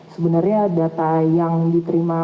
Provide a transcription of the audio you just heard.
sebenarnya data yang diterima